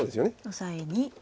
オサエに。